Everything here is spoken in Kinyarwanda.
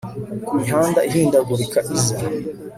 Ku mihanda ihindagurika iza